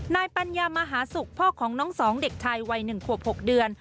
ปัญญามหาศุกร์พ่อของน้องสองเด็กชายวัย๑ขวบ๖เดือน